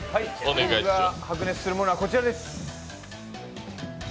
僕が白熱するものはこちらです。